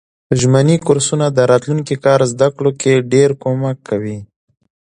ژمني کورسونه د راتلونکي کال زده کړو کی ډیر کومک کوي.